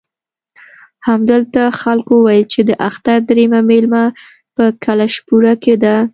همدلته خلکو وویل چې د اختر درېیمه مېله په کلشپوره کې ده.